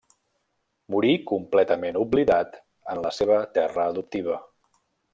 Morí completament oblidat, en la seva terra adoptiva.